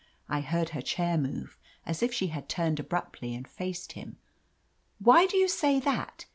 I heard her chair move, as if she had turned abruptly and faced him. "Why do you say that?"